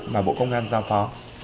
mà bộ công an giao phó